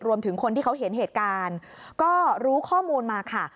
รวมถึงคนที่เขาเห็นเหตุการณ์ก็รู้ข้อมูลมาค่ะ